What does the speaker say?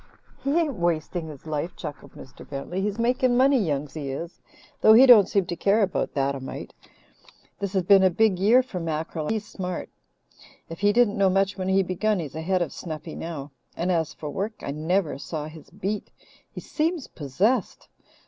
"He ain't wasting his life," chuckled Mr. Bentley. "He's making money, Young Si is, though he don't seem to care about that a mite. This has been a big year for mackerel, and he's smart. If he didn't know much when he begun, he's ahead of Snuffy now. And as for work, I never saw his beat. He seems possessed.